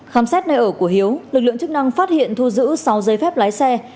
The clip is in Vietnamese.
khám xét nơi ở của hiếu lực lượng chức năng phát hiện thu giữ sáu giấy phép lái xe